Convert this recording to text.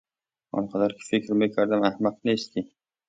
آنقدر که فکر میکردم احمق نیستی.